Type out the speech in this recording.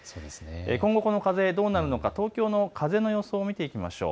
今後、この風どうなるのか東京の風の予想を見ていきましょう。